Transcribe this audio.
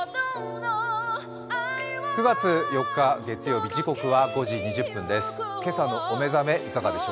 ９月４日月曜日、時刻は５時２０分です。